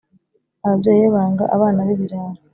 ababyeyi be banga abana bibirara